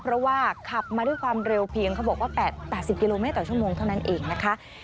เพราะว่าขับมาด้วยความเร็วเพียงเขาบอกว่า๘๐กิโลเมตรต่อชั่วโมงเท่านั้นเองนะคะ